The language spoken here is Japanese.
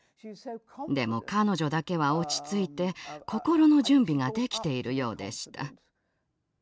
でも彼女だけは落ち着いて心の準備ができているようでした。